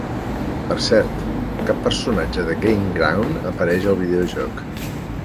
Per cert, cap personatge de "Gain Ground" apareix al videojoc.